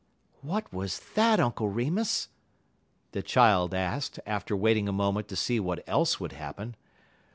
"What was that, Uncle Remus?" the child asked, after waiting a moment to see what else would happen.